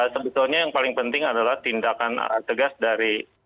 sebetulnya yang paling penting adalah tindakan tegas dari